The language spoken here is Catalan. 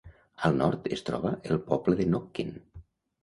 Al nord es troba el poble de Knockin.